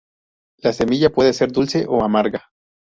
La semilla puede ser dulce o amarga.